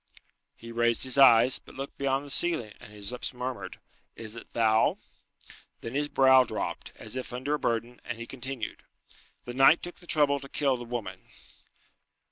He raised his eyes, but looked beyond the ceiling, and his lips murmured, "Is it Thou?" Then his brow dropped, as if under a burden, and he continued, "The night took the trouble to kill the woman."